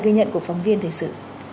ghi nhận của phóng viên thời sự